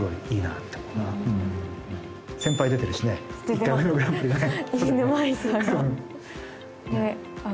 １回目のグランプリがね